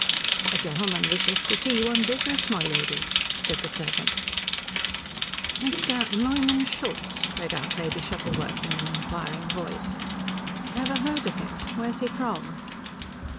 "A gentleman wishes to see you on business, my lady," said the servant. "Mr. Neumann Schultz?" read out Lady Shuttleworth in an inquiring voice. "Never heard of him. Where's he from?"